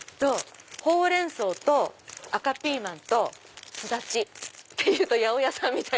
ほうれん草と赤ピーマンとすだち。って言うと八百屋さんみたい。